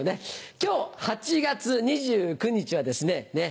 今日８月２９日はですね